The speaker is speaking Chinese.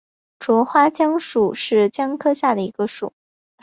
喙花姜属是姜科下的一个属。